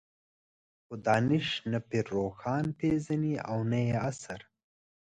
خو دانش نه پير روښان پېژني نه يې عصر.